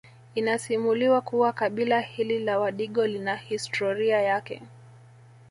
Inasimuliwa kuwa kabila hili la Wadigo lina histroria yake